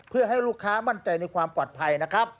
เพื่อให้ลูกค้ามั่นใจในความปลอดภัยนะครับ